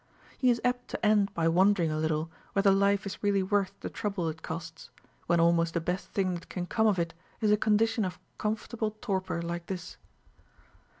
He is apt to end by wondering a little whether life is really worth the trouble it costs, when almost the best thing that can come of it is a condition of comfortable torpor like this.